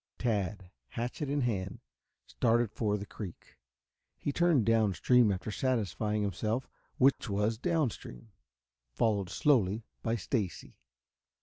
Tad, hatchet in hand, started for the creek. He turned downstream after satisfying himself which was downstream, followed slowly by Stacy.